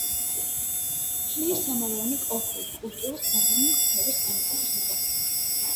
თლიის სამაროვანი კოლხური კულტურის გავლენის სფეროს განეკუთვნება.